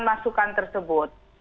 diberikan masukan tersebut